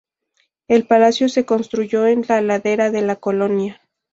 El palacio se construyó en la ladera de la colina.